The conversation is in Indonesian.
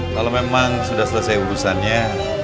kalau memang sudah selesai urusannya